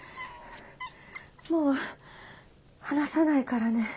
もう離さないからね。